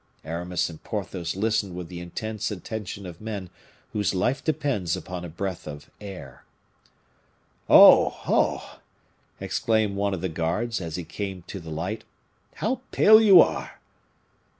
Aramis and Porthos listened with the intense attention of men whose life depends upon a breath of air. "Oh! oh!" exclaimed one of the guards, as he came to the light, "how pale you are!"